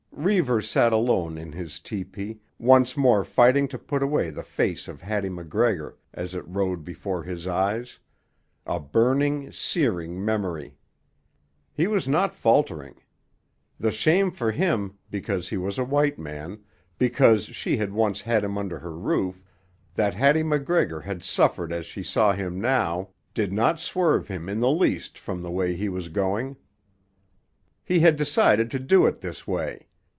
Reivers sat alone in his tepee, once more fighting to put away the face of Hattie MacGregor as it rode before his eyes, a burning, searing memory. He was not faltering. The shame for him, because he was a white man, because she had once had him under her roof, that Hattie MacGregor had suffered as she saw him now, did not swerve him in the least from the way he was going. He had decided to do it this way.